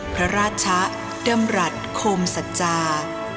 พระราชะดำรัฐโคมสัจจา